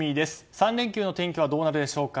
３連休の天気はどうなるでしょうか。